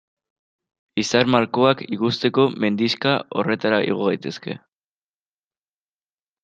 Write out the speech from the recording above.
Izar malkoak ikusteko mendixka horretara igo gaitezke.